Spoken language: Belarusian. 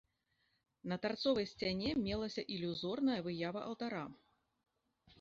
На тарцовай сцяне мелася ілюзорная выява алтара.